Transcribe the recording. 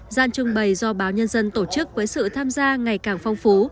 gian trưng bày do báo nhân dân tổ chức với sự tham gia ngày càng phong phú